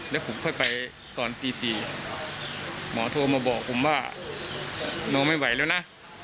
แล้วผมค่อยไปตอนตี๔หมอโทรมาบอกผมว่าน้องไม่ไหวแล้วนะ